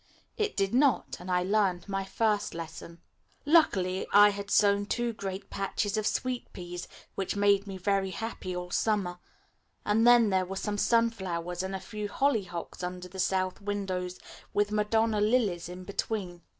It did not, and I learned my first lesson. Luckily I had sown two great patches of sweetpeas which made me very happy all the summer, and then there were some sunflowers and a few hollyhocks under the south windows, with Madonna lilies in between.